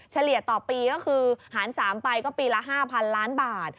เฉลี่ยต่อปีก็คือหาร๓ไปก็ปีละ๕๐๐๐ล้านบาท